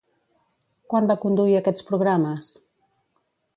Quan va conduir aquests programes?